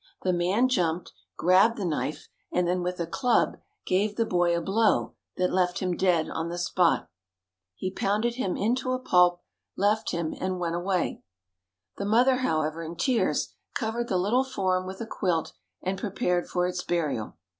The man jumped, grabbed the knife, and then with a club gave the boy a blow that left him dead on the spot. He pounded him into a pulp, left him and went away. The mother, however, in tears, covered the little form with a quilt and prepared for its burial.